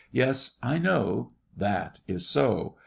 Yes, I know. That is so.